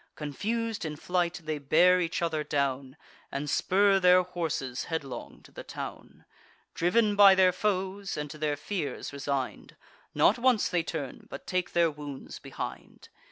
Confus'd in flight, they bear each other down, And spur their horses headlong to the town. Driv'n by their foes, and to their fears resign'd, Not once they turn, but take their wounds behind.